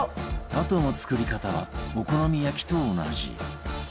あとの作り方はお好み焼きと同じ